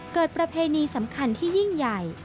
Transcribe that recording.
ประเพณีสำคัญที่ยิ่งใหญ่